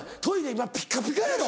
今ピッカピカやろ？